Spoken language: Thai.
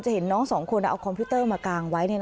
เห็นน้องสองคนเอาคอมพิวเตอร์มากางไว้